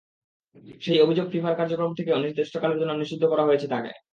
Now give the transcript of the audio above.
সেই অভিযোগে ফিফার কার্যক্রম থেকে অনির্দিষ্টকালের জন্য নিষিদ্ধ করা হয়েছে তাঁকে।